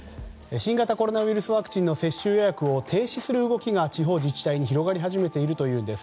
新型コロナウイルスワクチンの接種予約を停止する動きが地方自治体に広がり始めているというんです。